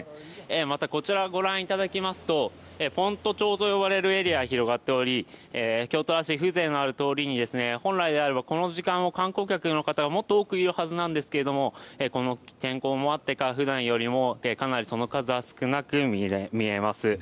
また、こちらご覧いただきますと先斗町と呼ばれるエリアが広がっており京都らしい風情のある通りに本来なら観光客の方がもっと多いはずですがこの天候もあってか、普段よりもその数は少なく見えます。